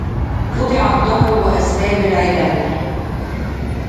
قطع الدهر بأسباب العلل